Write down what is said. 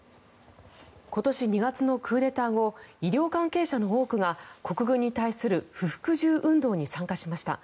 今年２月のクーデター後医療関係者の多くが国軍に対する不服従運動に参加しました。